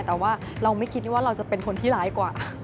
แต่ว่าเราไม่คิดว่าเราจะเป็นคนที่ร้ายกว่า